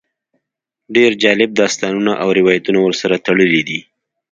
ډېر جالب داستانونه او روایتونه ورسره تړلي دي.